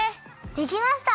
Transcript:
できました！